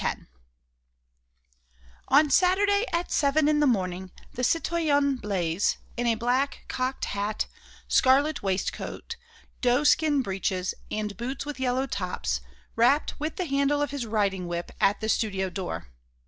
X On Saturday at seven in the morning the citoyen Blaise, in a black cocked hat, scarlet waistcoat, doe skin breeches, and boots with yellow tops, rapped with the handle of his riding whip at the studio door.